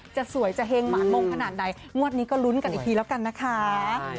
จะสวยจะเฮงหมานมงขนาดไหนงวดนี้ก็ลุ้นกันอีกทีแล้วกันนะคะ